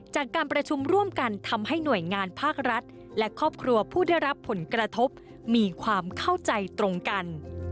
จากการประชุมร่วมกันทำให้หน่วยงานภาครัฐและครอบครัวผู้ได้รับผลกระทบมีความเข้าใจตรงกัน